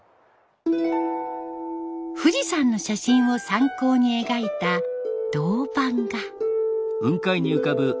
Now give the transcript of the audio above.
富士山の写真を参考に描いた銅版画。